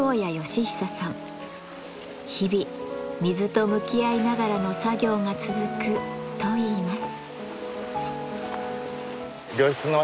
「日々水と向き合いながらの作業が続く」と言います。